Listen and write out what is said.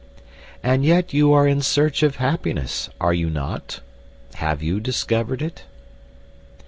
And yet you are in search of happiness, are you not? Have you discovered it?